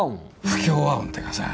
不協和音っていうかさ